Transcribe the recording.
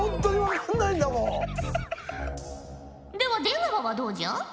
では出川はどうじゃ？